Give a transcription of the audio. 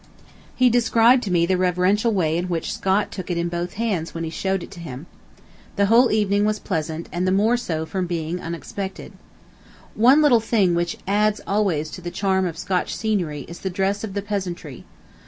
He described to me the reverential way in which Scott took it in both hands when he showed it to him. The whole evening was pleasant and the more so from being unexpected. ... One little thing which adds always to the charm of Scotch scenery is the dress of the peasantry.